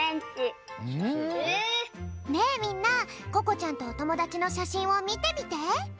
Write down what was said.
ねえみんなここちゃんとおともだちのしゃしんをみてみて。